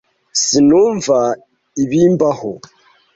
Sinumva ibimbaho.